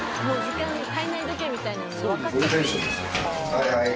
はいはい。